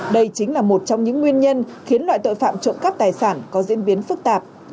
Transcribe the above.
đây chính là một trong những nguyên nhân khiến loại tội phạm trộm cắp tài sản có diễn biến phức tạp